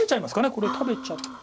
これ食べちゃって。